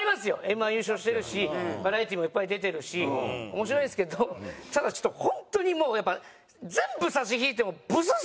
Ｍ−１優勝してるしバラエティーもいっぱい出てるし面白いですけどただちょっと本当にもうやっぱ全部差し引いてもブスすぎるんでちょっと。